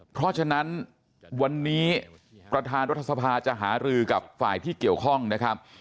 เพราะฉะนั้นวันนี้ประธานรัฐสภาจะหารือกับฝ่ายที่เกี่ยวข้องนะครับ